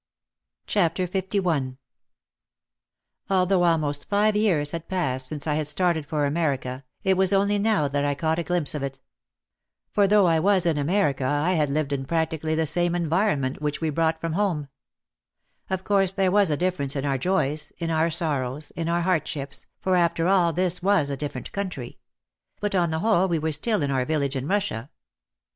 246 OUT OF THE SHADOW LI Although almost five years had passed since I had started for America it was only now that I caught a glimpse of it. For though I was in America I had lived in practically the same environment which we brought from home. Of course there was a difference in our joys, in our sorrows, in our hardships, for after all this was a different country; but on the whole we were still in our village in Russia.